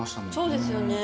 そうですよね。